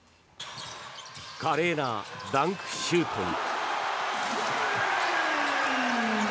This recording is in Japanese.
華麗なダンクシュートに。